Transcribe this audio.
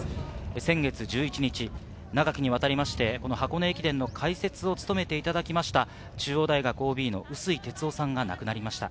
先月１１日、長きにわたって箱根駅伝の解説を務めていただきました中央大学ＯＢの碓井哲雄さんが亡くなりました。